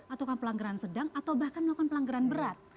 atau pelanggaran sedang atau bahkan melakukan pelanggaran berat